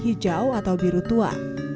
hijau atau biru tua